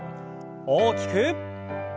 大きく。